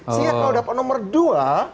siap kalau dapat nomor dua